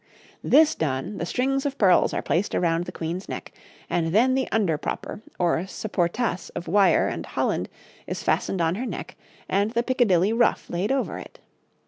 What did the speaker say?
This done, the strings of pearls are placed around the Queen's neck, and then the underpropper or supportasse of wire and holland is fastened on her neck, and the picadillie ruff laid over it.